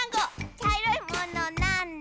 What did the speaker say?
「ちゃいろいものなんだ？」